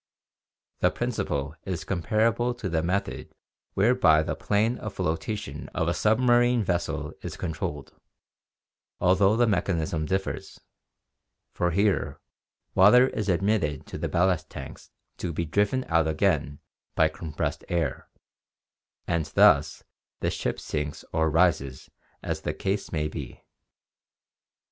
The prin ciple is comparable to the method whereby the plane of flotation of a submarine vessel is controlled, although the mechanism differs, for here water is admitted to the ballast tanks to be driven out again by compressed air, and thus the ship sinks or rises as the case may be.